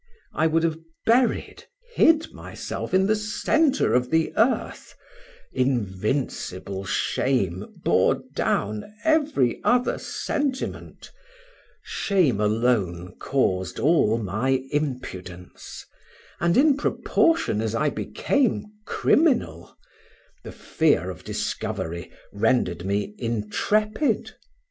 I would have buried, hid myself in the centre of the earth: invincible shame bore down every other sentiment; shame alone caused all my impudence, and in proportion as I became criminal, the fear of discovery rendered me intrepid.